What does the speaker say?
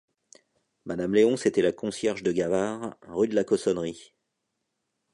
Madame Léonce était la concierge de Gavard, rue de la Cossonnerie.